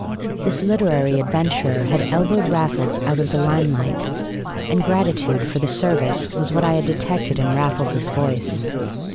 This literary adventurer had elbowed Raffles out of the limelight, and gratitude for the service was what I had detected in Raffles's voice.